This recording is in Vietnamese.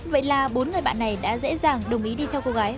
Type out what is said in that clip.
vậy là bốn người bạn này đã dễ dàng đồng ý đi theo cô gái